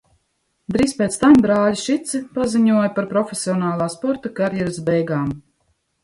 Drīz pēc tam brāļi Šici paziņoja par profesionālā sporta karjeras beigām.